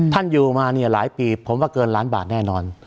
ท่านอยู่มาหลายปีผมว่าเกินล้านบาทแน่นอน